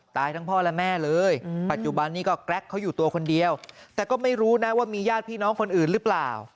ทั้งพ่อและแม่เลยปัจจุบันนี้ก็แกรกเขาอยู่ตัวคนเดียวแต่ก็ไม่รู้นะว่ามีญาติพี่น้องคนอื่นหรือเปล่า